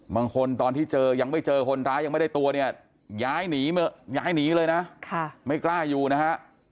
ตอนที่เจอยังไม่เจอคนร้ายยังไม่ได้ตัวเนี่ยย้ายหนีย้ายหนีเลยนะไม่กล้าอยู่นะฮะ